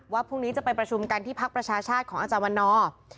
พรุ่งนี้จะไปประชุมกันที่พักประชาชาติของอาจารย์วันนอร์